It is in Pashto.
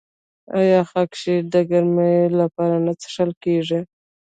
آیا خاکشیر د ګرمۍ لپاره نه څښل کیږي؟